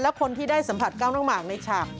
และคนที่ได้สัมผัสก้าวน้องหมากในฉาก